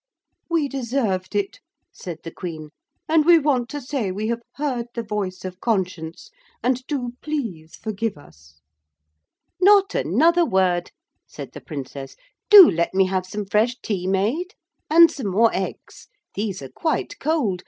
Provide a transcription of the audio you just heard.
'We deserved it,' said the Queen, 'and we want to say we have heard the voice of conscience, and do please forgive us.' 'Not another word,' said the Princess, 'do let me have some fresh tea made. And some more eggs. These are quite cold.